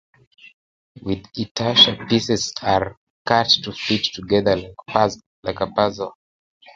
With intarsia pieces are cut to fit together like a puzzle.